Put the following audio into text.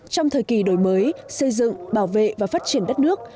trong thời kỳ đổi mới xây dựng bảo vệ và phát triển đất nước